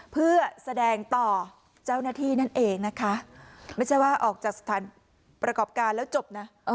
เพื่อแสดงต่อเจ้าหน้าที่นั่นเองนะคะไม่ใช่ว่าออกจากสถานประกอบการแล้วจบนะ